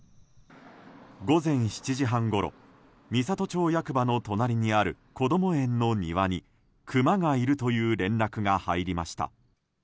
午前７時半ごろ美郷町役場の隣にあるこども園の庭にクマがいるという連絡が入りました。